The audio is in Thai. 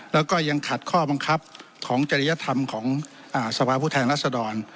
แล้วก็ยังขัดข้อบังคับของจริยธรรมของสภาพผู้แทนรัศดร